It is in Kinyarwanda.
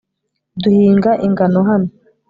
duhinga ingano hano